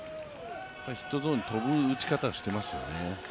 ヒットゾーンに飛ぶ打ち方してますよね。